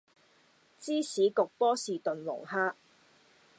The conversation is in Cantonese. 芝士焗波士頓龍蝦